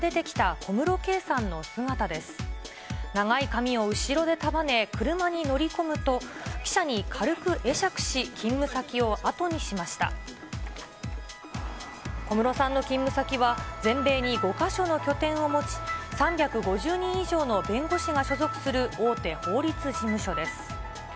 小室さんの勤務先は、全米に５か所の拠点を持ち、３５０人以上の弁護士が所属する大手法律事務所です。